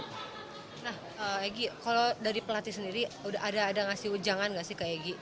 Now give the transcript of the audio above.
nah egy kalau dari pelatih sendiri udah ada ngasih ujangan nggak sih ke egy